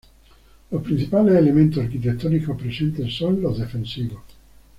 Los principales elementos arquitectónicos presentes son los defensivos.